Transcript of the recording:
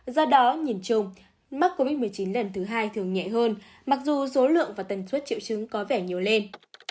do đó nhìn chung mắc covid một mươi chín lần thứ hai thường nhẹ hơn mặc dù số lượng và tần suất triệu chứng có vẻ nhiều lên